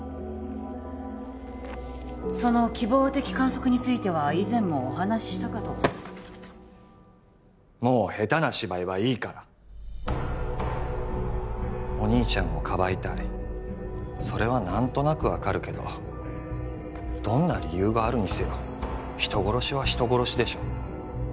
その希望的観測については以前もお話ししたかともう下手な芝居はいいからお兄ちゃんをかばいたいそれは何となく分かるけどどんな理由があるにせよ人殺しは人殺しでしょ